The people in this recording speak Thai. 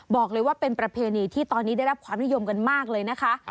บอกเลยว่าเป็นประเพณีที่ตอนนี้ได้รับความนิยมกันมากเลยนะคะ